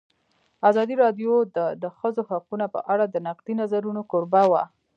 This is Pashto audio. ازادي راډیو د د ښځو حقونه په اړه د نقدي نظرونو کوربه وه.